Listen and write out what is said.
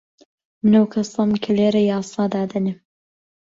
من ئەو کەسەم کە لێرە یاسا دادەنێم.